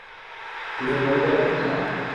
তুমি বলবে একথা?